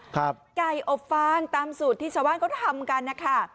ไก่อบฟางตามสูตรที่ชาวบ้านเขาทำกันนะคะ